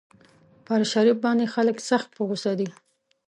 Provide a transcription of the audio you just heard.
پر شريف باندې خلک سخت په غوسه دي.